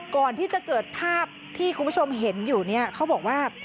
ก่อนที่จะเกิดภาพที่คุณผู้ชมเห็นอยู่เนี่ยเขาบอกว่า